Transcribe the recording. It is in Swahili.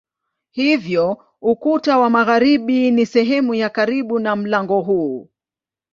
Hivyo ukuta wa magharibi ni sehemu ya karibu na mlango huu.